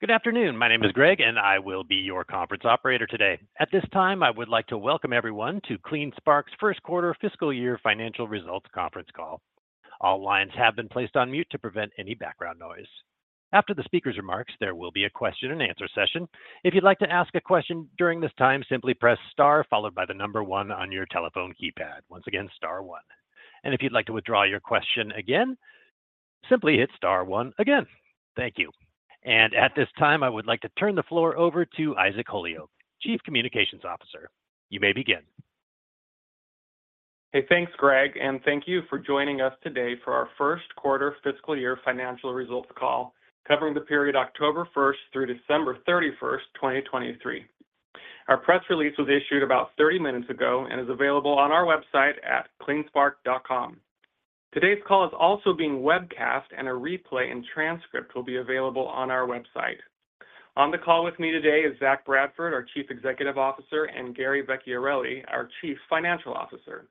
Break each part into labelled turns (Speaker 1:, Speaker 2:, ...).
Speaker 1: Good afternoon. My name is Greg, and I will be your conference operator today. At this time, I would like to welcome everyone to CleanSpark's first quarter fiscal year financial results conference call. All lines have been placed on mute to prevent any background noise. After the speaker's remarks, there will be a Q&A session. If you'd like to ask a question during this time, simply press star followed by the number one on your telephone keypad. Once again, star one. And if you'd like to withdraw your question again, simply hit star one again. Thank you. At this time, I would like to turn the floor over to Isaac Holyoak, Chief Communications Officer. You may begin.
Speaker 2: Hey, thanks, Greg. And thank you for joining us today for our first quarter fiscal year financial results call covering the period October 1 through December 31, 2023. Our press release was issued about 30 minutes ago and is available on our website at CleanSpark.com. Today's call is also being webcast, and a replay and transcript will be available on our website. On the call with me today is Zach Bradford, our Chief Executive Officer, and Gary Vecchiarelli, our Chief Financial Officer.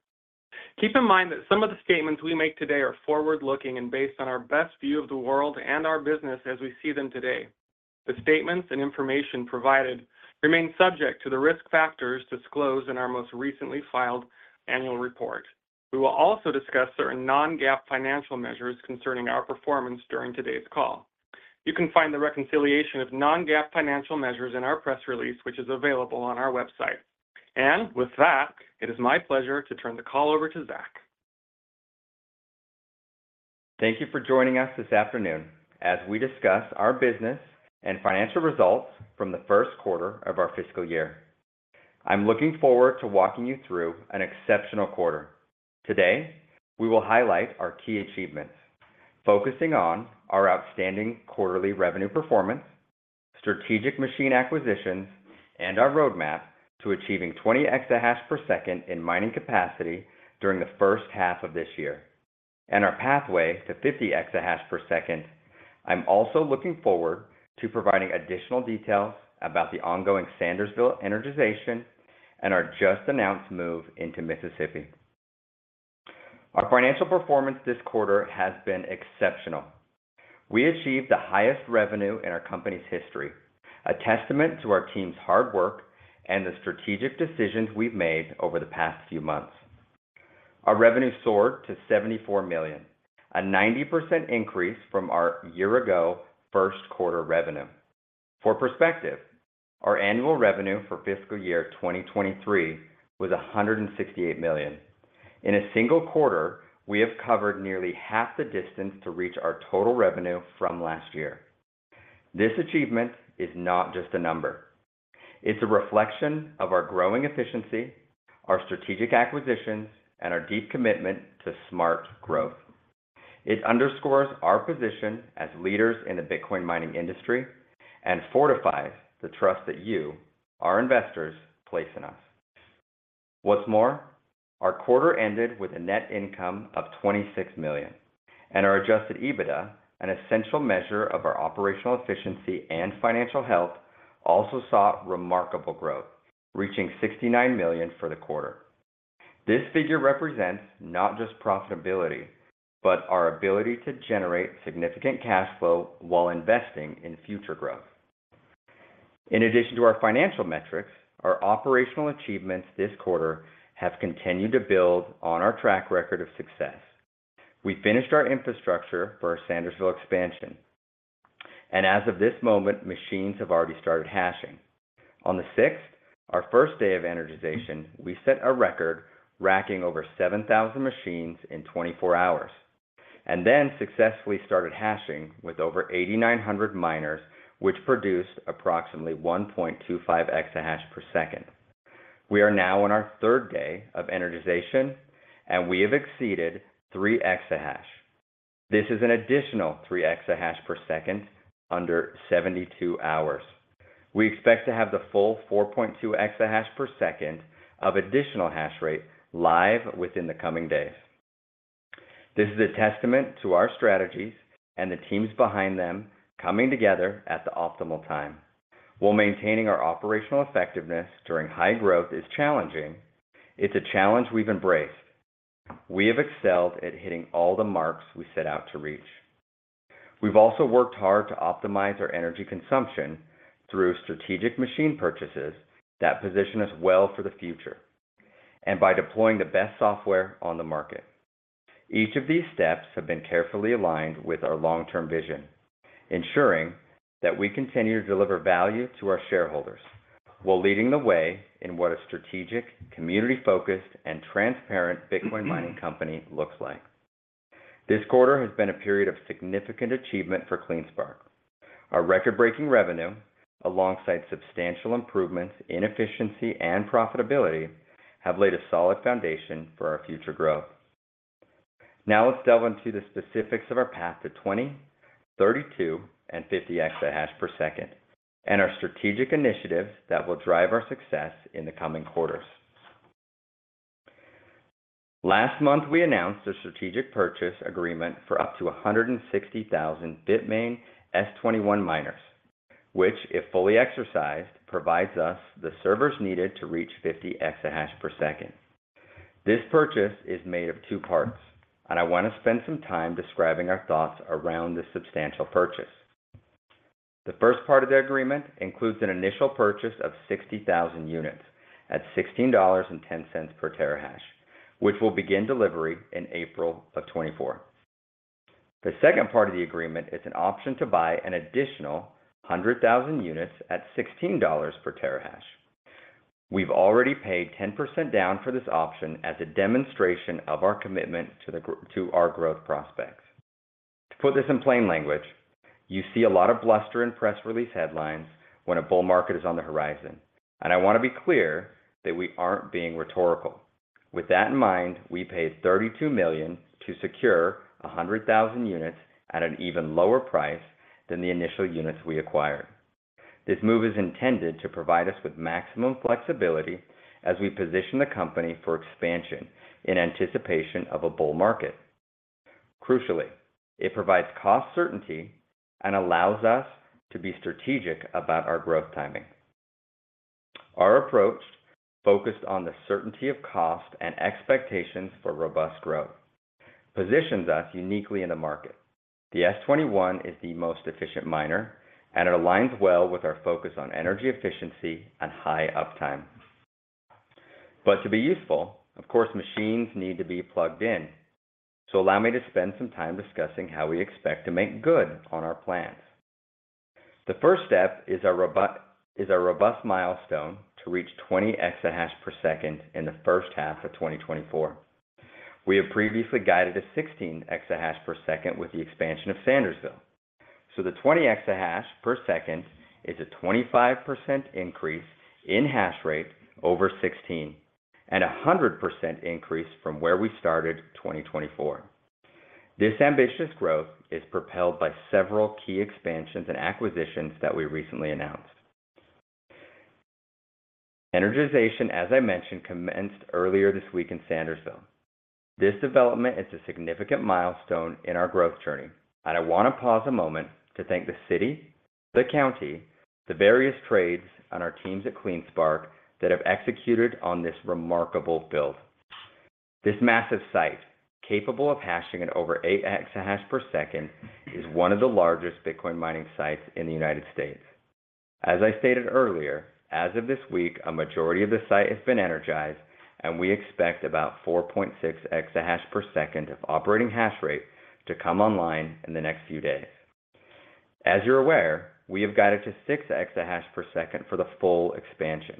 Speaker 2: Keep in mind that some of the statements we make today are forward-looking and based on our best view of the world and our business as we see them today. The statements and information provided remain subject to the risk factors disclosed in our most recently filed annual report. We will also discuss certain non-GAAP financial measures concerning our performance during today's call. You can find the reconciliation of Non-GAAP financial measures in our press release, which is available on our website. With that, it is my pleasure to turn the call over to Zach.
Speaker 3: Thank you for joining us this afternoon as we discuss our business and financial results from the first quarter of our fiscal year. I'm looking forward to walking you through an exceptional quarter. Today, we will highlight our key achievements, focusing on our outstanding quarterly revenue performance, strategic machine acquisitions, and our roadmap to achieving 20 EH/s in mining capacity during the first half of this year, and our pathway to 50x. I'm also looking forward to providing additional details about the ongoing Sandersville energization and our just-announced move into Mississippi. Our financial performance this quarter has been exceptional. We achieved the highest revenue in our company's history, a testament to our team's hard work and the strategic decisions we've made over the past few months. Our revenue soared to $74 million, a 90% increase from our year-ago first quarter revenue. For perspective, our annual revenue for fiscal year 2023 was $168 million. In a single quarter, we have covered nearly half the distance to reach our total revenue from last year. This achievement is not just a number. It's a reflection of our growing efficiency, our strategic acquisitions, and our deep commitment to smart growth. It underscores our position as leaders in the Bitcoin mining industry and fortifies the trust that you, our investors, place in us. What's more, our quarter ended with a net income of $26 million, and our adjusted EBITDA, an essential measure of our operational efficiency and financial health, also saw remarkable growth, reaching $69 million for the quarter. This figure represents not just profitability but our ability to generate significant cash flow while investing in future growth. In addition to our financial metrics, our operational achievements this quarter have continued to build on our track record of success. We finished our infrastructure for our Sandersville expansion, and as of this moment, machines have already started hashing. On the 6th, our first day of energization, we set a record racking over 7,000 machines in 24 hours and then successfully started hashing with over 8,900 miners, which produced approximately 1.25 EH/s. We are now on our third day of energization, and we have exceeded 3 EH/s. This is an additional 3 EH/s under 72 hours. We expect to have the full 4.2 EH/s of additional hash rate live within the coming days. This is a testament to our strategies and the teams behind them coming together at the optimal time. While maintaining our operational effectiveness during high growth is challenging, it's a challenge we've embraced. We have excelled at hitting all the marks we set out to reach. We've also worked hard to optimize our energy consumption through strategic machine purchases that position us well for the future and by deploying the best software on the market. Each of these steps has been carefully aligned with our long-term vision, ensuring that we continue to deliver value to our shareholders while leading the way in what a strategic, community-focused, and transparent Bitcoin mining company looks like. This quarter has been a period of significant achievement for CleanSpark. Our record-breaking revenue, alongside substantial improvements in efficiency and profitability, have laid a solid foundation for our future growth. Now let's delve into the specifics of our path to 20 EH/s, 32 EH/s, and 50 EH/s and our strategic initiatives that will drive our success in the coming quarters. Last month, we announced a strategic purchase agreement for up to 160,000 Bitmain S21 miners, which, if fully exercised, provides us the servers needed to reach 50 EH/s. This purchase is made of two parts, and I want to spend some time describing our thoughts around this substantial purchase. The first part of the agreement includes an initial purchase of 60,000 units at $16.10/TH, which will begin delivery in April of 2024. The second part of the agreement is an option to buy an additional 100,000 units at $16/TH. We've already paid 10% down for this option as a demonstration of our commitment to our growth prospects. To put this in plain language, you see a lot of bluster in press release headlines when a bull market is on the horizon, and I want to be clear that we aren't being rhetorical. With that in mind, we paid $32 million to secure 100,000 units at an even lower price than the initial units we acquired. This move is intended to provide us with maximum flexibility as we position the company for expansion in anticipation of a bull market. Crucially, it provides cost certainty and allows us to be strategic about our growth timing. Our approach, focused on the certainty of cost and expectations for robust growth, positions us uniquely in the market. The S21 is the most efficient miner, and it aligns well with our focus on energy efficiency and high uptime. But to be useful, of course, machines need to be plugged in, so allow me to spend some time discussing how we expect to make good on our plans. The first step is our robust milestone to reach 20 EH/s in the first half of 2024. We have previously guided to 16 EH/s with the expansion of Sandersville, so the 20 EH/s is a 25% increase in hash rate over 16 and a 100% increase from where we started 2024. This ambitious growth is propelled by several key expansions and acquisitions that we recently announced. Energization, as I mentioned, commenced earlier this week in Sandersville. This development is a significant milestone in our growth journey, and I want to pause a moment to thank the city, the county, the various trades, and our teams at CleanSpark that have executed on this remarkable build. This massive site, capable of hashing at over 8 EH/s, is one of the largest Bitcoin mining sites in the United States. As I stated earlier, as of this week, a majority of the site has been energized, and we expect about 4.6 EH/s of operating hash rate to come online in the next few days. As you're aware, we have guided to 6 EH/s for the full expansion,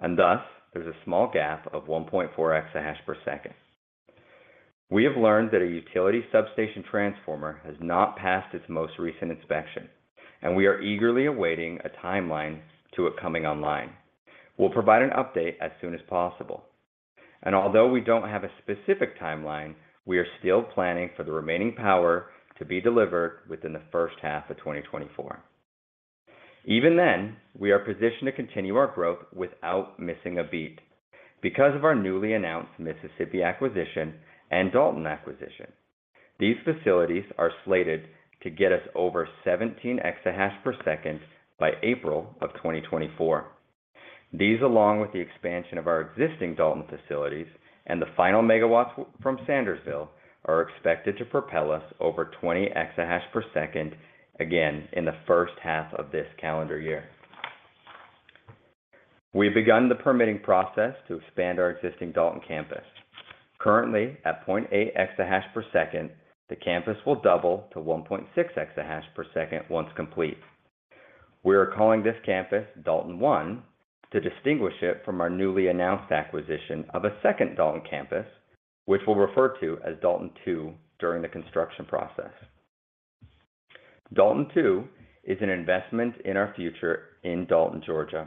Speaker 3: and thus there's a small gap of 1.4 EH/s. We have learned that a utility substation transformer has not passed its most recent inspection, and we are eagerly awaiting a timeline to it coming online. We'll provide an update as soon as possible, and although we don't have a specific timeline, we are still planning for the remaining power to be delivered within the first half of 2024. Even then, we are positioned to continue our growth without missing a beat because of our newly announced Mississippi acquisition and Dalton acquisition. These facilities are slated to get us over 17 EH/s by April of 2024. These, along with the expansion of our existing Dalton facilities and the final megawatts from Sandersville, are expected to propel us over 20 EH/s again in the first half of this calendar year. We've begun the permitting process to expand our existing Dalton campus. Currently, at 0.8 EH/s, the campus will double to 1.6 EH/s once complete. We are calling this campus Dalton 1 to distinguish it from our newly announced acquisition of a second Dalton campus, which we'll refer to as Dalton 2 during the construction process. Dalton 2 is an investment in our future in Dalton, Georgia.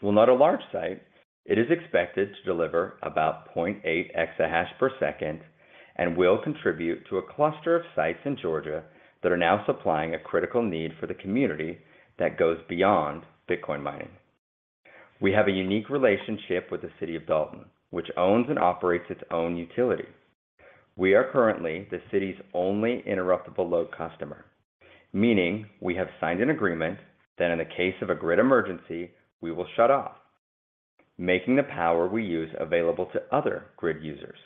Speaker 3: While not a large site, it is expected to deliver about 0.8 EH/s and will contribute to a cluster of sites in Georgia that are now supplying a critical need for the community that goes beyond Bitcoin mining. We have a unique relationship with the city of Dalton, which owns and operates its own utility. We are currently the city's only interruptible load customer, meaning we have signed an agreement that in the case of a grid emergency, we will shut off, making the power we use available to other grid users.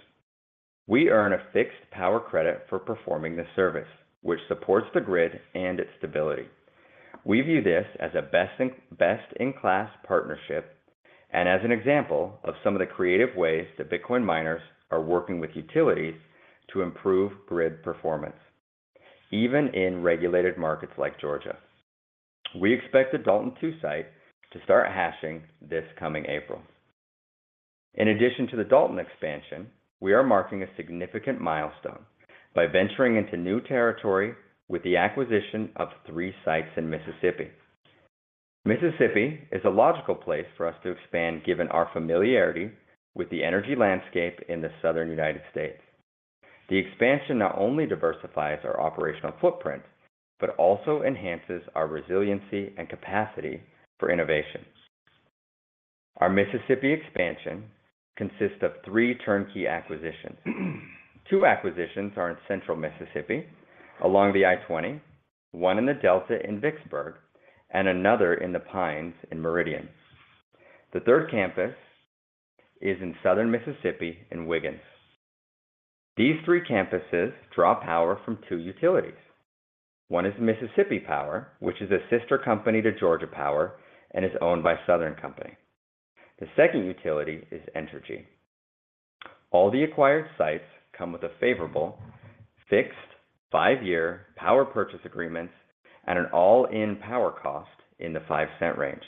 Speaker 3: We earn a fixed power credit for performing the service, which supports the grid and its stability. We view this as a best-in-class partnership and as an example of some of the creative ways that Bitcoin miners are working with utilities to improve grid performance, even in regulated markets like Georgia. We expect the Dalton 2 site to start hashing this coming April. In addition to the Dalton expansion, we are marking a significant milestone by venturing into new territory with the acquisition of three sites in Mississippi. Mississippi is a logical place for us to expand given our familiarity with the energy landscape in the southern United States. The expansion not only diversifies our operational footprint but also enhances our resiliency and capacity for innovation. Our Mississippi expansion consists of three turnkey acquisitions. Two acquisitions are in central Mississippi along the I-20, one in the Delta in Vicksburg, and another in the Pines in Meridian. The third campus is in southern Mississippi in Wiggins. These three campuses draw power from two utilities. One is Mississippi Power, which is a sister company to Georgia Power and is owned by Southern Company. The second utility is Entergy. All the acquired sites come with a favorable fixed five-year power purchase agreement and an all-in power cost in the $0.05 range.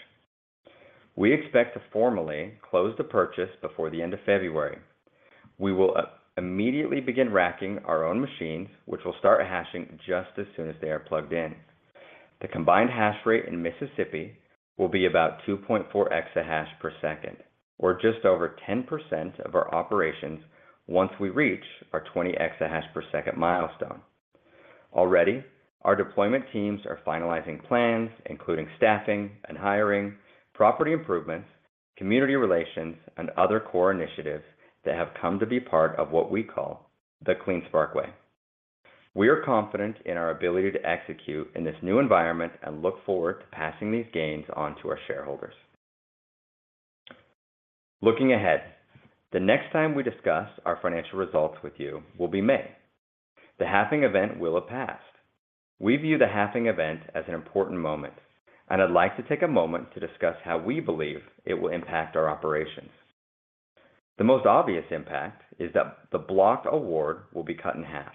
Speaker 3: We expect to formally close the purchase before the end of February. We will immediately begin racking our own machines, which will start hashing just as soon as they are plugged in. The combined hash rate in Mississippi will be about 2.4 EH/s or just over 10% of our operations once we reach our 20 EH/s milestone. Already, our deployment teams are finalizing plans, including staffing and hiring, property improvements, community relations, and other core initiatives that have come to be part of what we call the CleanSpark Way. We are confident in our ability to execute in this new environment and look forward to passing these gains on to our shareholders. Looking ahead, the next time we discuss our financial results with you will be May. The halving event will have passed. We view the halving event as an important moment, and I'd like to take a moment to discuss how we believe it will impact our operations. The most obvious impact is that the block reward will be cut in half.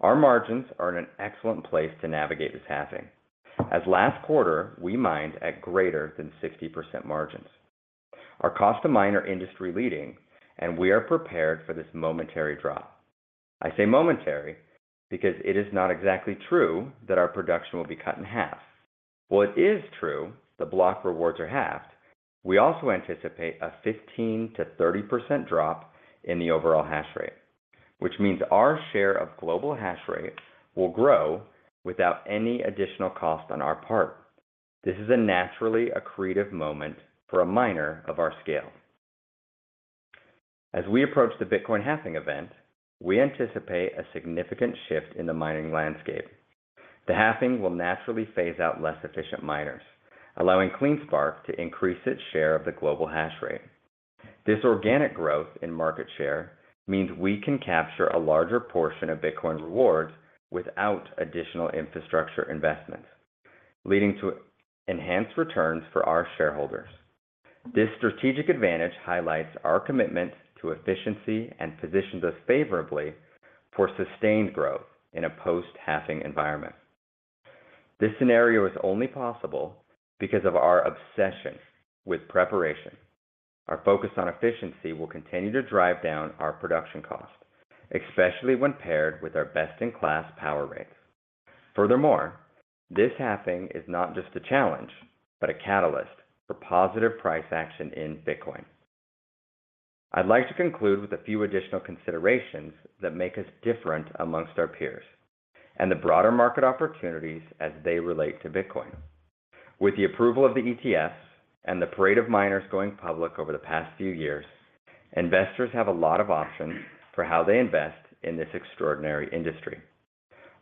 Speaker 3: Our margins are in an excellent place to navigate this halving, as last quarter we mined at greater than 60% margins. Our cost to mine are industry-leading, and we are prepared for this momentary drop. I say momentary because it is not exactly true that our production will be cut in half. While it is true the block rewards are halved, we also anticipate a 15%-30% drop in the overall hash rate, which means our share of global hash rate will grow without any additional cost on our part. This is naturally a crucial moment for a miner of our scale. As we approach the Bitcoin halving event, we anticipate a significant shift in the mining landscape. The halving will naturally phase out less efficient miners, allowing CleanSpark to increase its share of the global hash rate. This organic growth in market share means we can capture a larger portion of Bitcoin rewards without additional infrastructure investments, leading to enhanced returns for our shareholders. This strategic advantage highlights our commitment to efficiency and positions us favorably for sustained growth in a post-halving environment. This scenario is only possible because of our obsession with preparation. Our focus on efficiency will continue to drive down our production cost, especially when paired with our best-in-class power rates. Furthermore, this halving is not just a challenge but a catalyst for positive price action in Bitcoin. I'd like to conclude with a few additional considerations that make us different among our peers and the broader market opportunities as they relate to Bitcoin. With the approval of the ETFs and the parade of miners going public over the past few years, investors have a lot of options for how they invest in this extraordinary industry.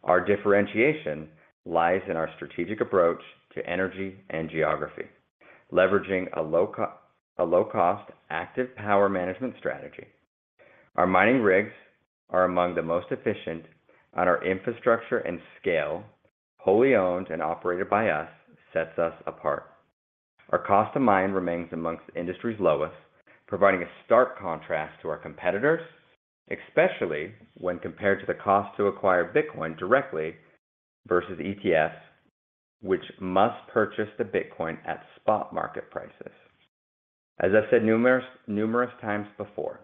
Speaker 3: Our differentiation lies in our strategic approach to energy and geography, leveraging a low-cost active power management strategy. Our mining rigs are among the most efficient, and our infrastructure and scale, wholly owned and operated by us, sets us apart. Our cost to mine remains among the industry's lowest, providing a stark contrast to our competitors, especially when compared to the cost to acquire Bitcoin directly versus ETFs, which must purchase the Bitcoin at spot market prices. As I've said numerous times before,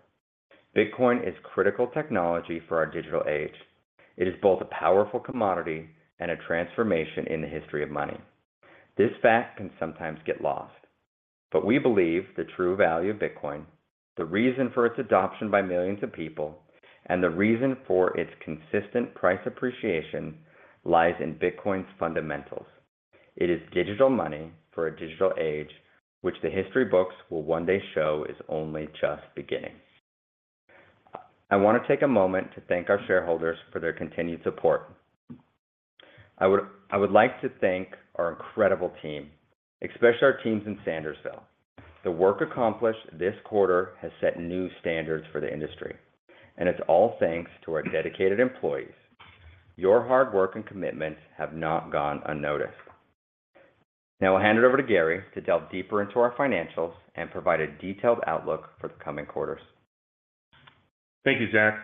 Speaker 3: Bitcoin is critical technology for our digital age. It is both a powerful commodity and a transformation in the history of money. This fact can sometimes get lost, but we believe the true value of Bitcoin, the reason for its adoption by millions of people, and the reason for its consistent price appreciation lies in Bitcoin's fundamentals. It is digital money for a digital age, which the history books will one day show is only just beginning. I want to take a moment to thank our shareholders for their continued support. I would like to thank our incredible team, especially our teams in Sandersville. The work accomplished this quarter has set new standards for the industry, and it's all thanks to our dedicated employees. Your hard work and commitments have not gone unnoticed. Now I'll hand it over to Gary to delve deeper into our financials and provide a detailed outlook for the coming quarters.
Speaker 4: Thank you, Zach.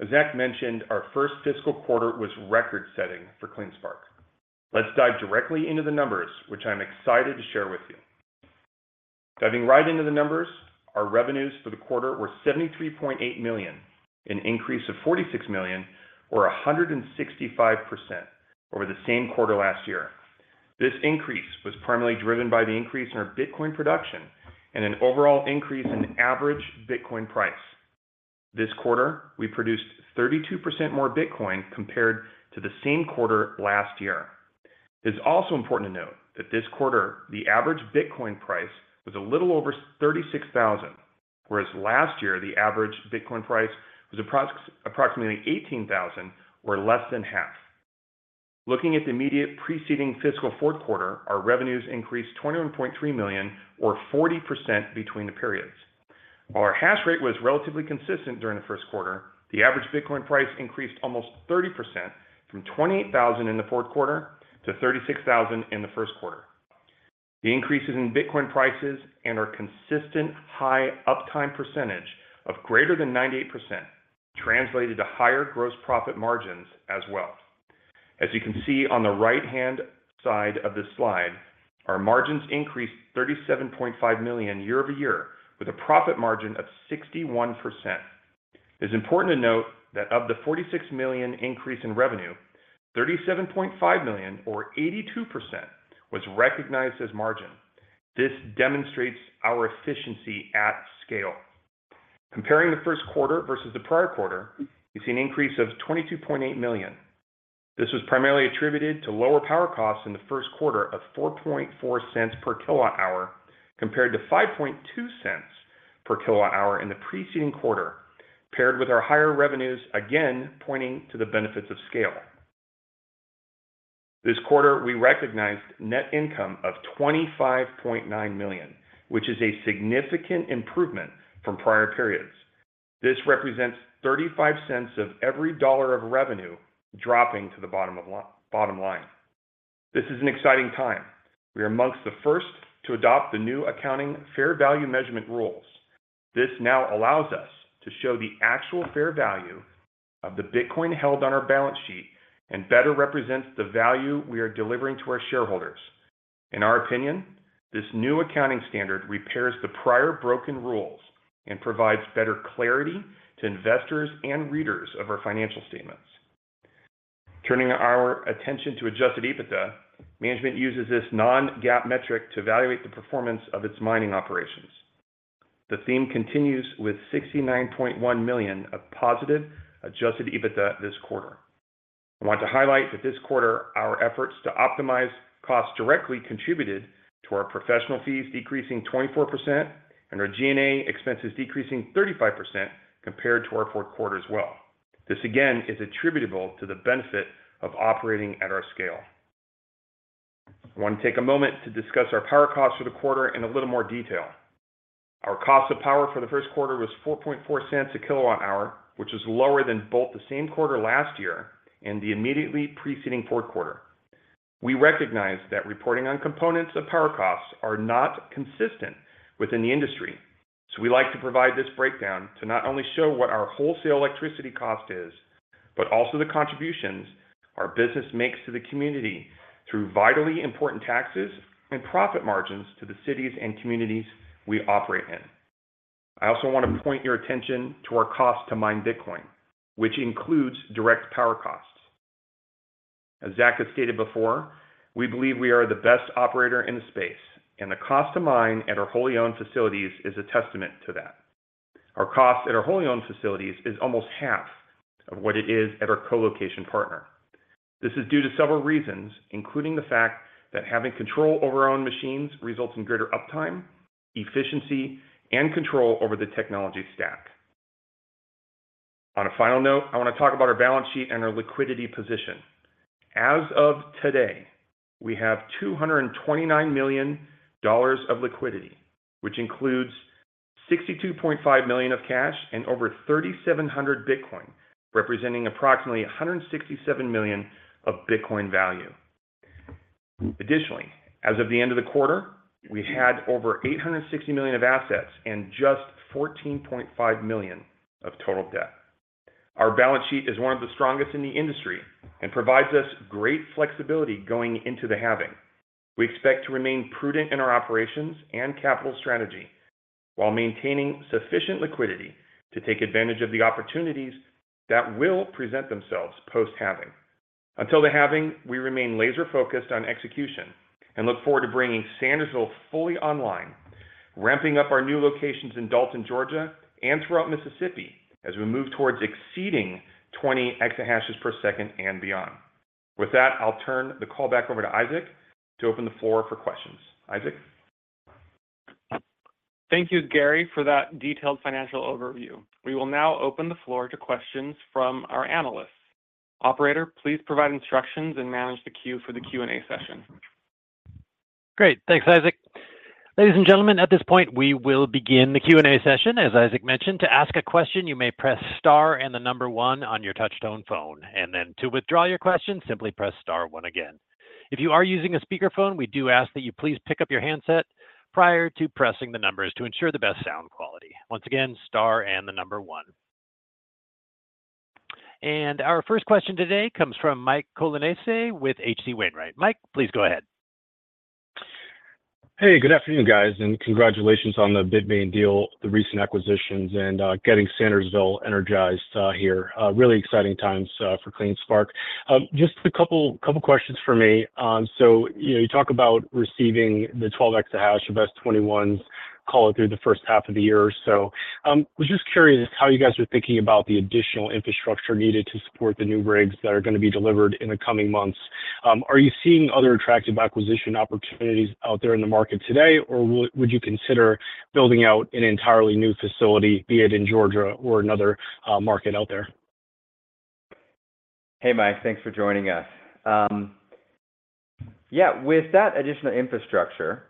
Speaker 4: As Zach mentioned, our first fiscal quarter was record-setting for CleanSpark. Let's dive directly into the numbers, which I'm excited to share with you. Diving right into the numbers, our revenues for the quarter were $73.8 million, an increase of $46 million, or 165% over the same quarter last year. This increase was primarily driven by the increase in our Bitcoin production and an overall increase in average Bitcoin price. This quarter, we produced 32% more Bitcoin compared to the same quarter last year. It's also important to note that this quarter, the average Bitcoin price was a little over 36,000, whereas last year the average Bitcoin price was approximately 18,000 or less than half. Looking at the immediate preceding fiscal fourth quarter, our revenues increased $21.3 million, or 40%, between the periods. While our hash rate was relatively consistent during the first quarter, the average Bitcoin price increased almost 30% from $28,000 in the fourth quarter to $36,000 in the first quarter. The increases in Bitcoin prices and our consistent high uptime percentage of greater than 98% translated to higher gross profit margins as well. As you can see on the right-hand side of this slide, our margins increased $37.5 million year-over-year with a profit margin of 61%. It's important to note that of the $46 million increase in revenue, $37.5 million, or 82%, was recognized as margin. This demonstrates our efficiency at scale. Comparing the first quarter versus the prior quarter, you see an increase of $22.8 million. This was primarily attributed to lower power costs in the first quarter of $0.044/kWh compared to $0.052/kWh in the preceding quarter, paired with our higher revenues, again pointing to the benefits of scale. This quarter, we recognized net income of $25.9 million, which is a significant improvement from prior periods. This represents $0.35 of every $1 of revenue dropping to the bottom line. This is an exciting time. We are among the first to adopt the new accounting fair value measurement rules. This now allows us to show the actual fair value of the Bitcoin held on our balance sheet and better represents the value we are delivering to our shareholders. In our opinion, this new accounting standard repairs the prior broken rules and provides better clarity to investors and readers of our financial statements. Turning our attention to Adjusted EBITDA, management uses this non-GAAP metric to evaluate the performance of its mining operations. The theme continues with $69.1 million of positive Adjusted EBITDA this quarter. I want to highlight that this quarter, our efforts to optimize costs directly contributed to our professional fees decreasing 24% and our G&A expenses decreasing 35% compared to our fourth quarter as well. This, again, is attributable to the benefit of operating at our scale. I want to take a moment to discuss our power costs for the quarter in a little more detail. Our cost of power for the first quarter was $0.044/kWh, which was lower than both the same quarter last year and the immediately preceding fourth quarter. We recognize that reporting on components of power costs is not consistent within the industry, so we like to provide this breakdown to not only show what our wholesale electricity cost is but also the contributions our business makes to the community through vitally important taxes and profit margins to the cities and communities we operate in. I also want to point your attention to our cost to mine Bitcoin, which includes direct power costs. As Zach has stated before, we believe we are the best operator in the space, and the cost to mine at our wholly owned facilities is a testament to that. Our cost at our wholly owned facilities is almost half of what it is at our colocation partner. This is due to several reasons, including the fact that having control over our own machines results in greater uptime, efficiency, and control over the technology stack. On a final note, I want to talk about our balance sheet and our liquidity position. As of today, we have $229 million of liquidity, which includes $62.5 million of cash and over 3,700 Bitcoin, representing approximately $167 million of Bitcoin value. Additionally, as of the end of the quarter, we had over $860 million of assets and just $14.5 million of total debt. Our balance sheet is one of the strongest in the industry and provides us great flexibility going into the halving. We expect to remain prudent in our operations and capital strategy while maintaining sufficient liquidity to take advantage of the opportunities that will present themselves post-halving. Until the halving, we remain laser-focused on execution and look forward to bringing Sandersville fully online, ramping up our new locations in Dalton, Georgia, and throughout Mississippi as we move towards exceeding 20 EH/s and beyond. With that, I'll turn the call back over to Isaac to open the floor for questions. Isaac?
Speaker 2: Thank you, Gary, for that detailed financial overview. We will now open the floor to questions from our analysts. Operator, please provide instructions and manage the queue for the Q&A session.
Speaker 1: Great. Thanks, Isaac. Ladies and gentlemen, at this point, we will begin the Q&A session. As Isaac mentioned, to ask a question, you may press star and the number one on your touch-tone phone, and then to withdraw your question, simply press star one again. If you are using a speakerphone, we do ask that you please pick up your handset prior to pressing the numbers to ensure the best sound quality. Once again, star and the number one. Our first question today comes from Mike Colonnese with H.C. Wainwright. Mike, please go ahead.
Speaker 5: Hey, good afternoon, guys, and congratulations on the Bitmain deal, the recent acquisitions, and getting Sandersville energized here. Really exciting times for CleanSpark. Just a couple of questions for me. So you talk about receiving the 12 EH of S21s, call it through the first half of the year. So I was just curious how you guys are thinking about the additional infrastructure needed to support the new rigs that are going to be delivered in the coming months. Are you seeing other attractive acquisition opportunities out there in the market today, or would you consider building out an entirely new facility, be it in Georgia or another market out there?
Speaker 3: Hey, Mike. Thanks for joining us. Yeah, with that additional infrastructure,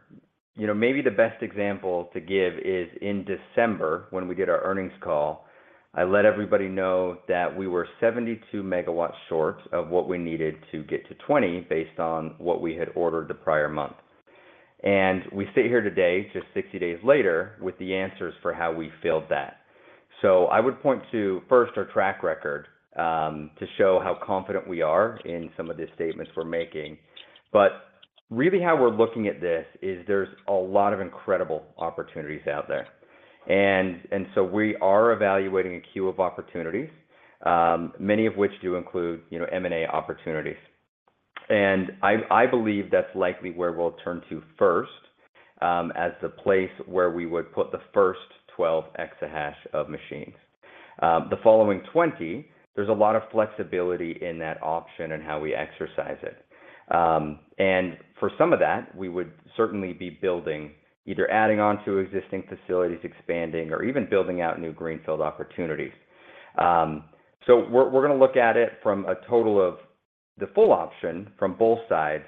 Speaker 3: maybe the best example to give is in December when we did our earnings call. I let everybody know that we were 72 megawatts short of what we needed to get to 20 based on what we had ordered the prior month. And we sit here today, just 60 days later, with the answers for how we filled that. So I would point to, first, our track record to show how confident we are in some of the statements we're making. But really how we're looking at this is there's a lot of incredible opportunities out there. And so we are evaluating a queue of opportunities, many of which do include M&A opportunities. And I believe that's likely where we'll turn to first as the place where we would put the first 12 EH of machines. The following 20, there's a lot of flexibility in that option and how we exercise it. For some of that, we would certainly be building either adding onto existing facilities, expanding, or even building out new greenfield opportunities. We're going to look at it from a total of the full option from both sides,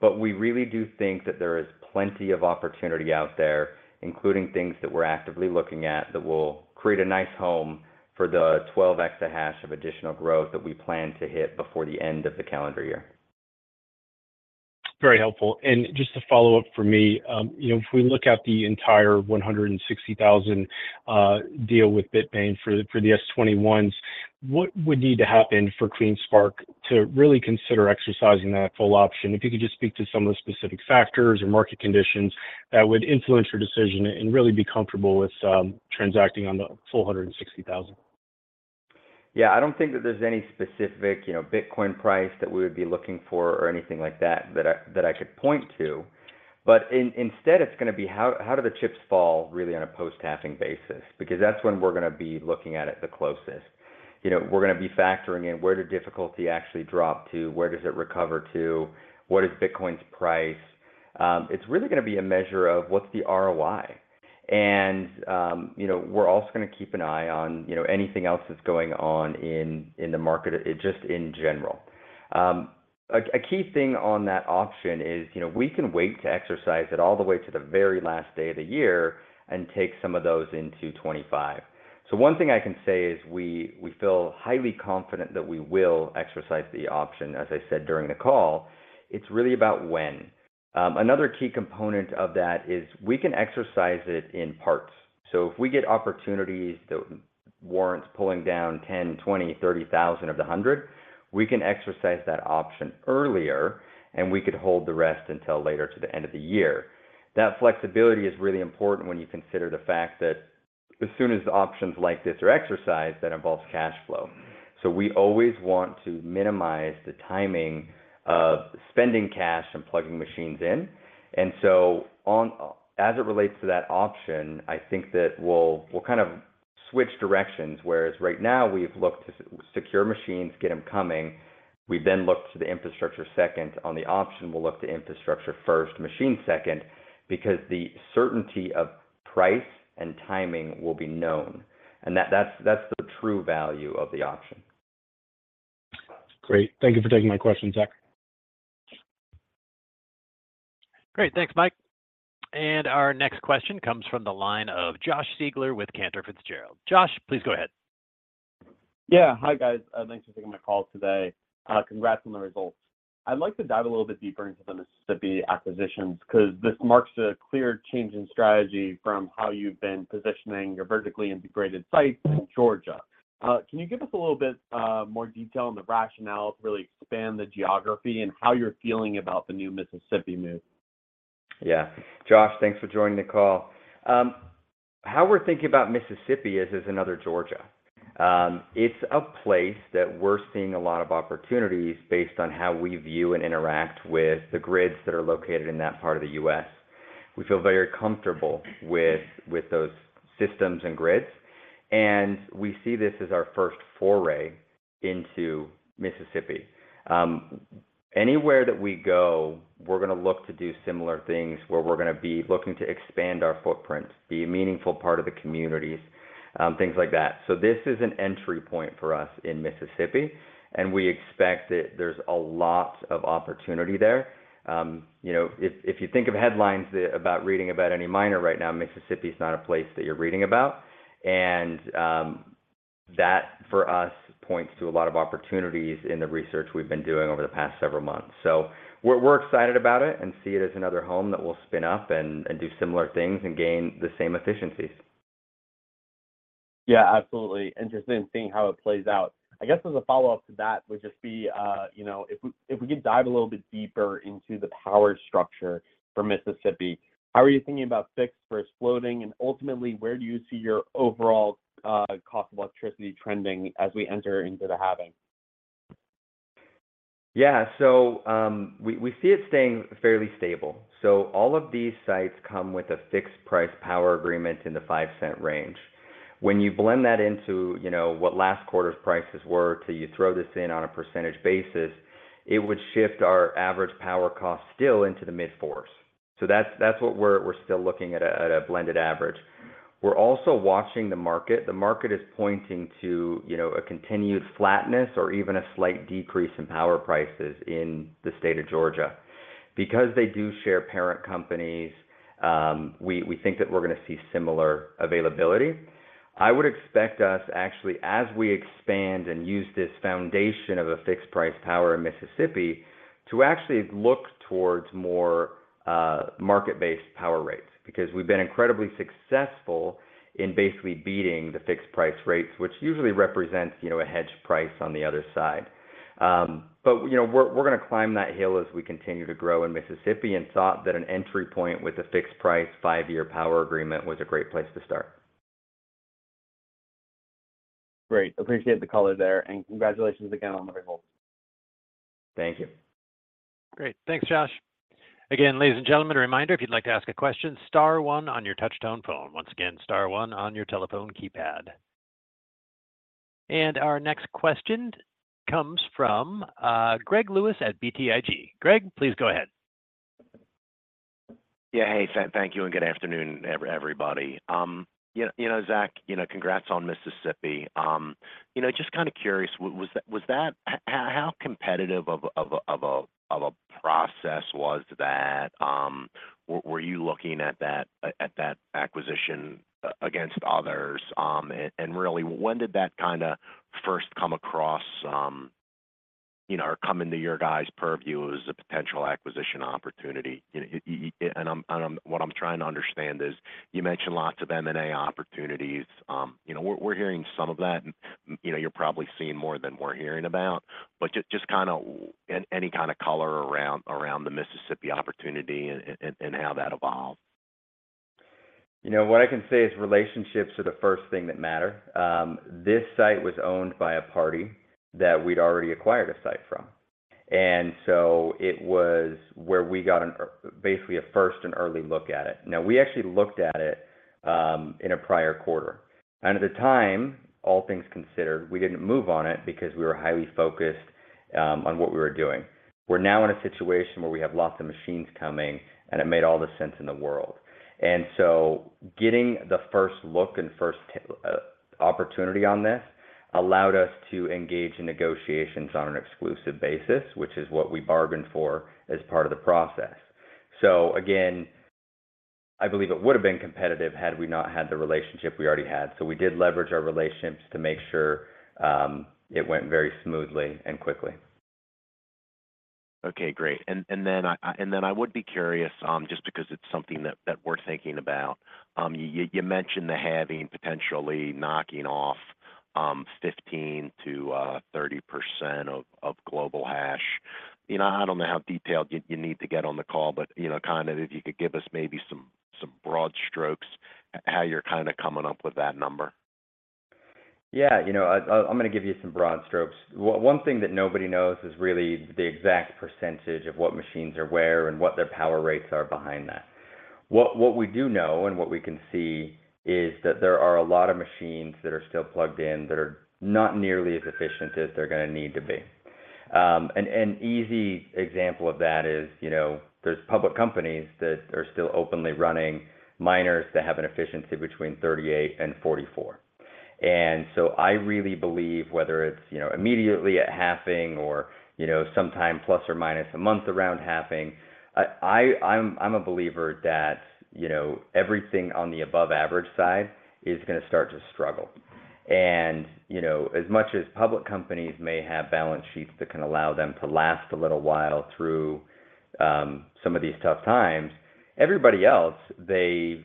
Speaker 3: but we really do think that there is plenty of opportunity out there, including things that we're actively looking at that will create a nice home for the 12 EH of additional growth that we plan to hit before the end of the calendar year.
Speaker 5: Very helpful. Just a follow-up for me, if we look at the entire 160,000 deal with Bitmain for the S21s, what would need to happen for CleanSpark to really consider exercising that full option? If you could just speak to some of the specific factors or market conditions that would influence your decision and really be comfortable with transacting on the full 160,000.
Speaker 3: Yeah, I don't think that there's any specific Bitcoin price that we would be looking for or anything like that that I could point to. But instead, it's going to be how do the chips fall really on a post-halving basis? Because that's when we're going to be looking at it the closest. We're going to be factoring in where did difficulty actually drop to, where does it recover to, what is Bitcoin's price? It's really going to be a measure of what's the ROI. And we're also going to keep an eye on anything else that's going on in the market just in general. A key thing on that option is we can wait to exercise it all the way to the very last day of the year and take some of those into 2025. So one thing I can say is we feel highly confident that we will exercise the option, as I said during the call. It's really about when. Another key component of that is we can exercise it in parts. So if we get opportunities that warrant pulling down 10,000, 20,000, 30,000 of the 100,000, we can exercise that option earlier, and we could hold the rest until later to the end of the year. That flexibility is really important when you consider the fact that as soon as options like this are exercised, that involves cash flow. So we always want to minimize the timing of spending cash and plugging machines in. And so as it relates to that option, I think that we'll kind of switch directions. Whereas right now, we've looked to secure machines, get them coming. We then look to the infrastructure second. On the option, we'll look to infrastructure first, machine second, because the certainty of price and timing will be known. That's the true value of the option.
Speaker 5: Great. Thank you for taking my question, Zach.
Speaker 1: Great. Thanks, Mike. And our next question comes from the line of Josh Siegler with Cantor Fitzgerald. Josh, please go ahead.
Speaker 6: Yeah. Hi, guys. Thanks for taking my call today. Congrats on the results. I'd like to dive a little bit deeper into the Mississippi acquisitions because this marks a clear change in strategy from how you've been positioning your vertically integrated sites in Georgia. Can you give us a little bit more detail on the rationale to really expand the geography and how you're feeling about the new Mississippi move?
Speaker 3: Yeah. Josh, thanks for joining the call. How we're thinking about Mississippi is as another Georgia. It's a place that we're seeing a lot of opportunities based on how we view and interact with the grids that are located in that part of the U.S. We feel very comfortable with those systems and grids. And we see this as our first foray into Mississippi. Anywhere that we go, we're going to look to do similar things where we're going to be looking to expand our footprint, be a meaningful part of the communities, things like that. So this is an entry point for us in Mississippi, and we expect that there's a lot of opportunity there. If you think of headlines about reading about any miner right now, Mississippi is not a place that you're reading about. That, for us, points to a lot of opportunities in the research we've been doing over the past several months. We're excited about it and see it as another home that will spin up and do similar things and gain the same efficiencies.
Speaker 6: Yeah, absolutely. Interesting seeing how it plays out. I guess as a follow-up to that would just be if we could dive a little bit deeper into the power structure for Mississippi, how are you thinking about fixed versus floating, and ultimately, where do you see your overall cost of electricity trending as we enter into the halving?
Speaker 3: Yeah. So we see it staying fairly stable. So all of these sites come with a fixed-price power agreement in the $0.05 range. When you blend that into what last quarter's prices were, too, you throw this in on a percentage basis, it would shift our average power cost still into the mid-$0.04s. So that's what we're still looking at a blended average. We're also watching the market. The market is pointing to a continued flatness or even a slight decrease in power prices in the state of Georgia. Because they do share parent companies, we think that we're going to see similar availability. I would expect us actually, as we expand and use this foundation of a fixed-price power in Mississippi, to actually look towards more market-based power rates because we've been incredibly successful in basically beating the fixed-price rates, which usually represents a hedge price on the other side. But we're going to climb that hill as we continue to grow in Mississippi and thought that an entry point with a fixed-price five-year power agreement was a great place to start.
Speaker 6: Great. Appreciate the color there. Congratulations again on the results.
Speaker 3: Thank you.
Speaker 1: Great. Thanks, Josh. Again, ladies and gentlemen, a reminder, if you'd like to ask a question, star one on your touch-tone phone. Once again, star one on your telephone keypad. And our next question comes from Greg Lewis at BTIG. Greg, please go ahead.
Speaker 7: Yeah. Hey, thank you and good afternoon, everybody. Zach, congrats on Mississippi. Just kind of curious, how competitive of a process was that? Were you looking at that acquisition against others? And really, when did that kind of first come across or come into your guys' purview as a potential acquisition opportunity? And what I'm trying to understand is you mentioned lots of M&A opportunities. We're hearing some of that, and you're probably seeing more than we're hearing about. But just kind of any kind of color around the Mississippi opportunity and how that evolved.
Speaker 3: What I can say is relationships are the first thing that matter. This site was owned by a party that we'd already acquired a site from. And so it was where we got basically a first and early look at it. Now, we actually looked at it in a prior quarter. And at the time, all things considered, we didn't move on it because we were highly focused on what we were doing. We're now in a situation where we have lots of machines coming, and it made all the sense in the world. And so getting the first look and first opportunity on this allowed us to engage in negotiations on an exclusive basis, which is what we bargained for as part of the process. So again, I believe it would have been competitive had we not had the relationship we already had. So we did leverage our relationships to make sure it went very smoothly and quickly.
Speaker 7: Okay. Great. And then I would be curious, just because it's something that we're thinking about, you mentioned the halving, potentially knocking off 15%-30% of global hash. I don't know how detailed you need to get on the call, but kind of if you could give us maybe some broad strokes, how you're kind of coming up with that number.
Speaker 3: Yeah. I'm going to give you some broad strokes. One thing that nobody knows is really the exact percentage of what machines are where and what their power rates are behind that. What we do know and what we can see is that there are a lot of machines that are still plugged in that are not nearly as efficient as they're going to need to be. An easy example of that is there's public companies that are still openly running miners that have an efficiency between 38-44. And so I really believe, whether it's immediately at halving or sometime plus or minus a month around halving, I'm a believer that everything on the above-average side is going to start to struggle. As much as public companies may have balance sheets that can allow them to last a little while through some of these tough times, everybody else, they're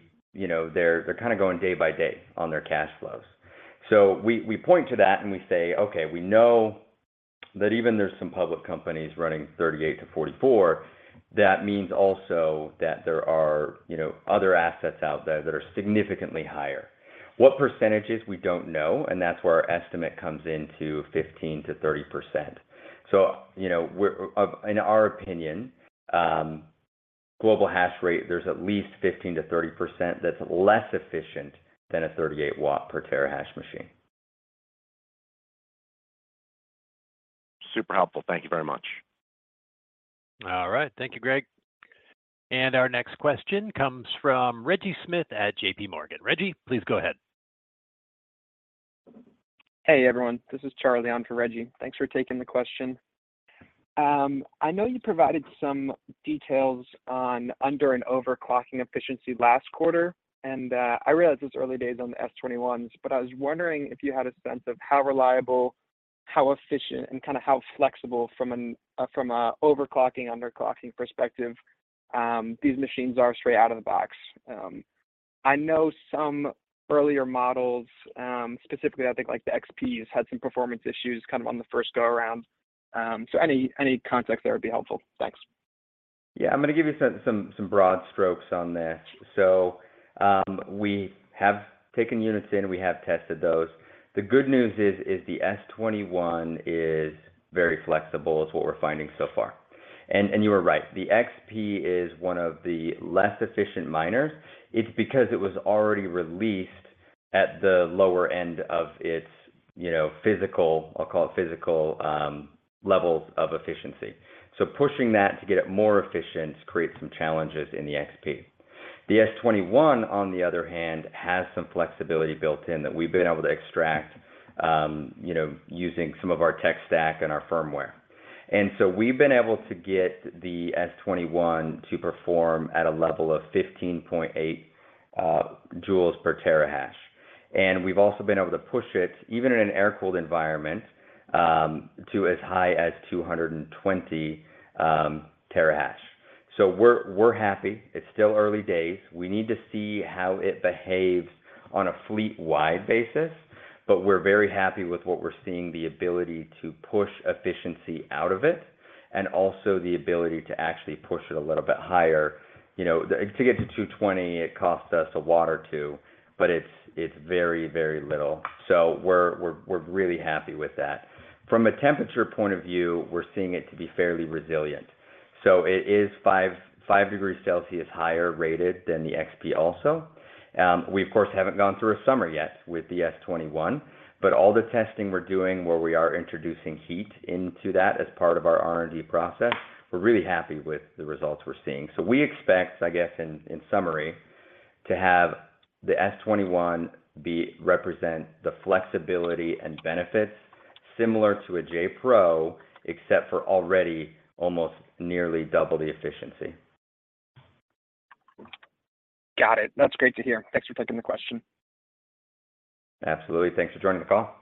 Speaker 3: kind of going day by day on their cash flows. So we point to that and we say, "Okay. We know that even there's some public companies running 38-44, that means also that there are other assets out there that are significantly higher." What percentages, we don't know, and that's where our estimate comes into 15%-30%. So in our opinion, global hash rate, there's at least 15%-30% that's less efficient than a 38-watt per-terahash machine.
Speaker 7: Super helpful. Thank you very much.
Speaker 1: All right. Thank you, Greg. And our next question comes from Reggie Smith at JPMorgan. Reggie, please go ahead.
Speaker 8: Hey, everyone. This is Charlie on for Reggie. Thanks for taking the question. I know you provided some details on under- and overclocking efficiency last quarter, and I realize it's early days on the S21s, but I was wondering if you had a sense of how reliable, how efficient, and kind of how flexible from an overclocking, underclocking perspective these machines are straight out of the box? I know some earlier models, specifically, I think the XPs had some performance issues kind of on the first go around. So any context there would be helpful. Thanks.
Speaker 3: Yeah. I'm going to give you some broad strokes on this. So we have taken units in. We have tested those. The good news is the S21 is very flexible is what we're finding so far. And you were right. The XP is one of the less efficient miners. It's because it was already released at the lower end of its physical, I'll call it physical, levels of efficiency. So pushing that to get it more efficient creates some challenges in the XP. The S21, on the other hand, has some flexibility built-in that we've been able to extract using some of our tech stack and our firmware. And so we've been able to get the S21 to perform at a level of 15.8 J/TH. And we've also been able to push it, even in an air-cooled environment, to as high as 220 TH. So we're happy. It's still early days. We need to see how it behaves on a fleet-wide basis, but we're very happy with what we're seeing, the ability to push efficiency out of it and also the ability to actually push it a little bit higher. To get to 220, it cost us a watt or two, but it's very, very little. So we're really happy with that. From a temperature point of view, we're seeing it to be fairly resilient. So it is 5°C higher rated than the XP also. We, of course, haven't gone through a summer yet with the S21, but all the testing we're doing where we are introducing heat into that as part of our R&D process, we're really happy with the results we're seeing. We expect, I guess, in summary, to have the S21 represent the flexibility and benefits similar to a J-Pro, except for already almost nearly double the efficiency.
Speaker 8: Got it. That's great to hear. Thanks for taking the question.
Speaker 3: Absolutely. Thanks for joining the call.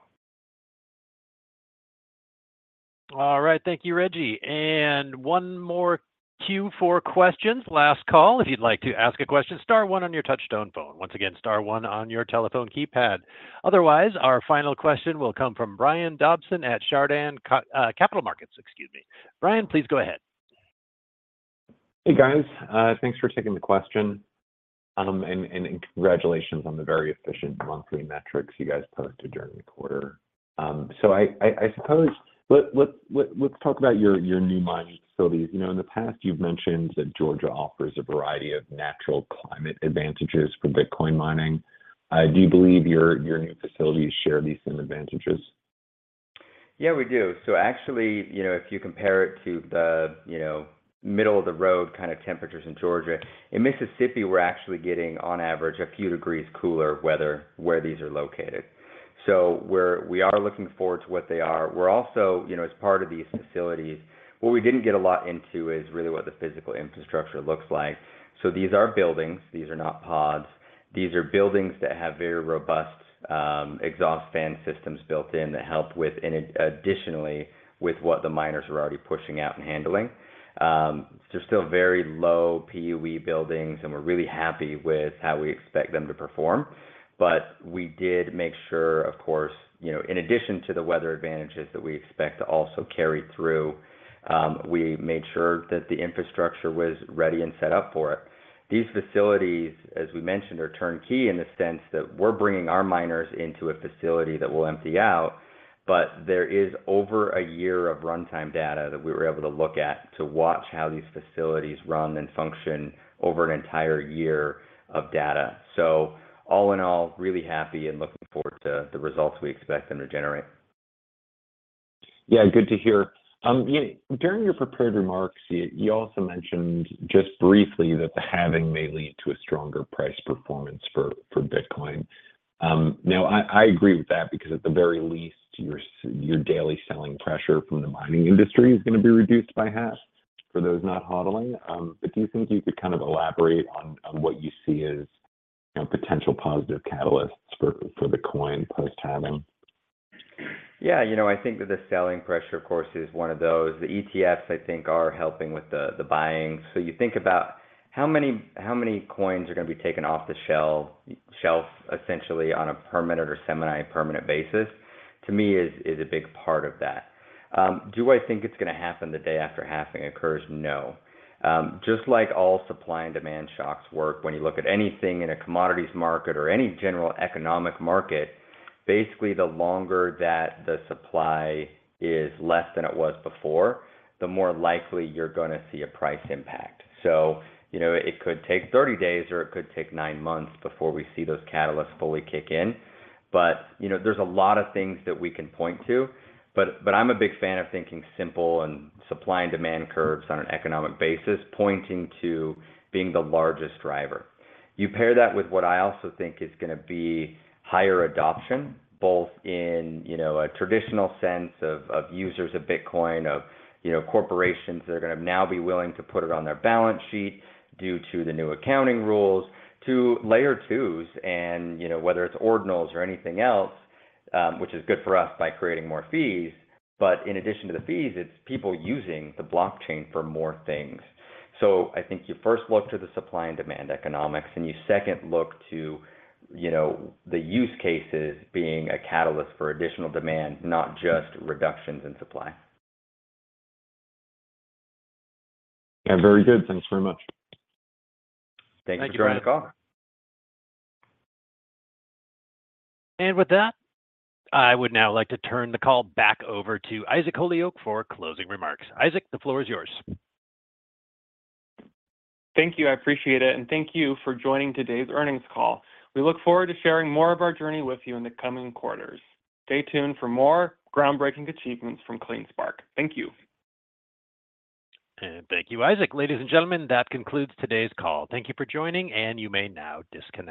Speaker 1: All right. Thank you, Reggie. And one more queue for questions, last call, if you'd like to ask a question. Star one on your touch-tone phone. Once again, star one on your telephone keypad. Otherwise, our final question will come from Brian Dobson at Chardan Capital Markets, excuse me. Brian, please go ahead.
Speaker 9: Hey, guys. Thanks for taking the question and congratulations on the very efficient monthly metrics you guys posted during the quarter. So I suppose let's talk about your new mining facilities. In the past, you've mentioned that Georgia offers a variety of natural climate advantages for Bitcoin mining. Do you believe your new facilities share these advantages?
Speaker 3: Yeah, we do. So actually, if you compare it to the middle-of-the-road kind of temperatures in Georgia, in Mississippi, we're actually getting, on average, a few degrees cooler weather where these are located. So we are looking forward to what they are. Also, as part of these facilities, what we didn't get a lot into is really what the physical infrastructure looks like. So these are buildings. These are not pods. These are buildings that have very robust exhaust fan systems built-in that help additionally with what the miners are already pushing out and handling. They're still very low PUE buildings, and we're really happy with how we expect them to perform. But we did make sure, of course, in addition to the weather advantages that we expect to also carry through, we made sure that the infrastructure was ready and set up for it. These facilities, as we mentioned, are turnkey in the sense that we're bringing our miners into a facility that will empty out, but there is over a year of runtime data that we were able to look at to watch how these facilities run and function over an entire year of data. So all in all, really happy and looking forward to the results we expect them to generate.
Speaker 9: Yeah. Good to hear. During your prepared remarks, you also mentioned just briefly that the halving may lead to a stronger price performance for Bitcoin. Now, I agree with that because at the very least, your daily selling pressure from the mining industry is going to be reduced by half for those not HODLing. But do you think you could kind of elaborate on what you see as potential positive catalysts for the coin post-halving?
Speaker 3: Yeah. I think that the selling pressure, of course, is one of those. The ETFs, I think, are helping with the buying. So you think about how many coins are going to be taken off the shelf, essentially, on a permanent or semi-permanent basis, to me is a big part of that. Do I think it's going to happen the day after halving occurs? No. Just like all supply and demand shocks work, when you look at anything in a commodities market or any general economic market, basically, the longer that the supply is less than it was before, the more likely you're going to see a price impact. So it could take 30 days, or it could take nine months before we see those catalysts fully kick in. But there's a lot of things that we can point to. But I'm a big fan of thinking simple and supply and demand curves on an economic basis, pointing to being the largest driver. You pair that with what I also think is going to be higher adoption, both in a traditional sense of users of Bitcoin, of corporations that are going to now be willing to put it on their balance sheet due to the new accounting rules, to Layer 2s, and whether it's Ordinals or anything else, which is good for us by creating more fees. But in addition to the fees, it's people using the blockchain for more things. So I think you first look to the supply and demand economics, and you second look to the use cases being a catalyst for additional demand, not just reductions in supply.
Speaker 9: Yeah. Very good. Thanks very much.
Speaker 3: Thank you for joining the call.
Speaker 1: With that, I would now like to turn the call back over to Isaac Holyoak for closing remarks. Isaac, the floor is yours.
Speaker 2: Thank you. I appreciate it. Thank you for joining today's earnings call. We look forward to sharing more of our journey with you in the coming quarters. Stay tuned for more groundbreaking achievements from CleanSpark. Thank you.
Speaker 1: Thank you, Isaac. Ladies and gentlemen, that concludes today's call. Thank you for joining, and you may now disconnect.